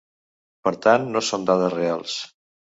Per tant, no són dades reals.